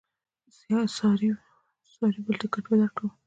ساري بل ټکټ به درکړم.